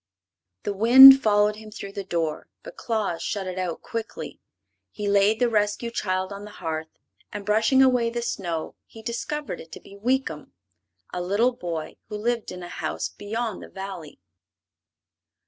The wind followed him through the door, but Claus shut it out quickly. He laid the rescued child on the hearth, and brushing away the snow he discovered it to be Weekum, a little boy who lived in a house beyond the Valley.